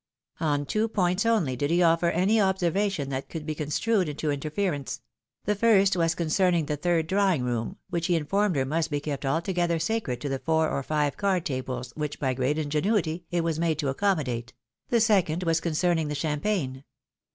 " On two points only did he offer any observation that could be construed into inter ference: the first was concerning the third drawing room, which he informed her must be kept altogether sacred to the four or five card tables which by great ingenuity it was made to accommodate : the second was concerning the champagne.